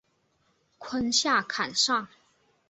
坤下坎上。